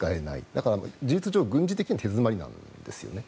だから事実上、軍事的には手詰まりなんですね。